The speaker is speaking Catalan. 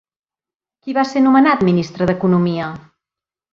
Qui va ser anomenat ministre d'economia?